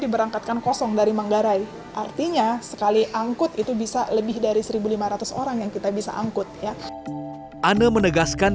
menggarai artinya sekali angkut itu bisa lebih dari seribu lima ratus orang yang kita bisa angkut ya ana menegaskan